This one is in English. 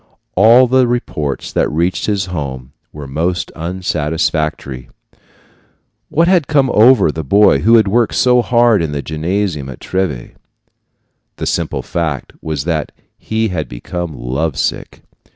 All the reports that reached his home were most unsatisfactory. What had come over the boy who had worked so hard in the gymnasium at Treves? The simple fact was that he had became love sick.